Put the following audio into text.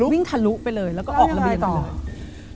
วิ่งทะลุไปเลยแล้วก็ออกระเบียงไปเลย